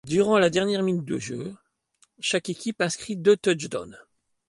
Durant la dernière minute de jeu, chaque équipe inscrit deux touchdowns.